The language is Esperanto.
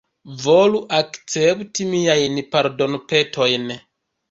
Volu akcepti miajn pardonpetojn.